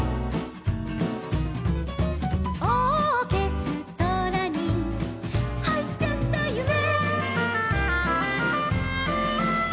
「オーケストラにはいっちゃったゆめ」